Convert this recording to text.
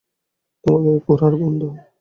তোমার গায়ে ঘোড়ার গন্ধ।